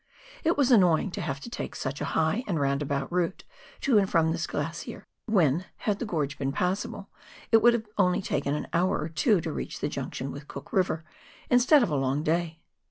It was annoying to have to take such a high and roundabout route to and from this glacier, when, had the gorge been passable, it would have only taken an hour or two to reach the junction with Cook River instead of a long day.